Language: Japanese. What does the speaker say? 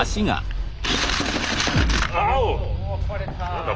何だ？